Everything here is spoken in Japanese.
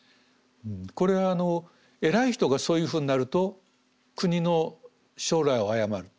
これは偉い人がそういうふうになると国の将来を誤る。